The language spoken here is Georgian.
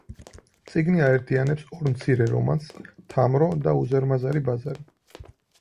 წიგნი აერთიანებს ორ მცირე რომანს „თამრო“ და „უზარმაზარი ბაზარი“.